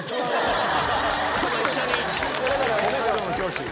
北海道の教師！